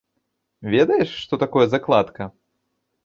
Ведаеш, што такое закладка?